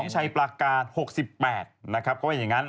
๑๒ชัยประกาศ๖๘นะครับก็เป็นอย่างนั้น